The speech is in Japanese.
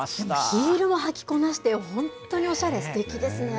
ヒールを履きこなして、本当におしゃれ、すてきですね。